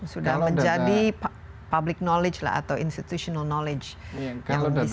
sudah menjadi public knowledge atau institutional knowledge yang bisa ditindak lebih lanjut